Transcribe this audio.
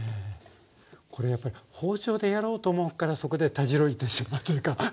これやっぱり包丁でやろうと思うからそこでたじろいでしまうというかハハッ。